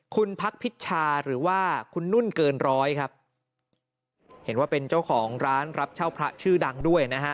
คุณพักพิชชาหรือว่าคุณนุ่นเกินร้อยครับเห็นว่าเป็นเจ้าของร้านรับเช่าพระชื่อดังด้วยนะฮะ